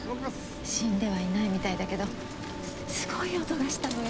死んではいないみたいだけどすごい音がしたのよ。